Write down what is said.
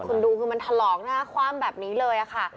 คุณดูคือมันถลอกนะครับความแบบนี้เลยค่ะ